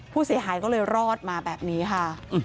ผู้เสียหายก็เลยรอดมาแบบนี้ค่ะ